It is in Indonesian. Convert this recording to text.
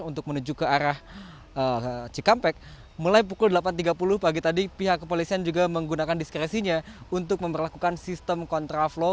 untuk menuju ke arah cikampek mulai pukul delapan tiga puluh pagi tadi pihak kepolisian juga menggunakan diskresinya untuk memperlakukan sistem kontraflow